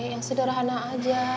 yang sederhana aja